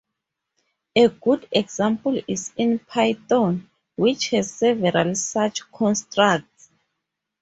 A good example is in Python, which has several such constructs.